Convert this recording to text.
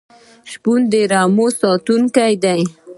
شپون د رمو ساتونکی دی.